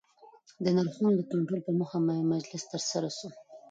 د نرخونو د کنټرول په موخه مجلس ترسره سو